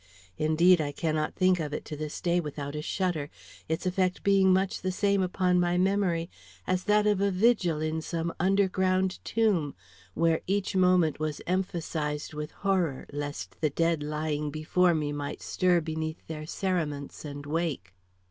Indeed, I cannot think of it to this day without a shudder; its effect being much the same upon my memory as that of a vigil in some underground tomb, where each moment was emphasized with horror lest the dead lying before me might stir beneath their cerements and wake.